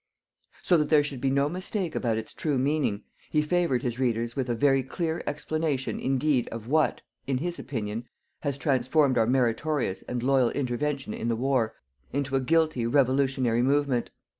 So that there should be no mistake about its true meaning, he favoured his readers with a very clear explanation indeed of what, in his opinion, has transformed our meritorious and loyal intervention in the war into a guilty revolutionary movement.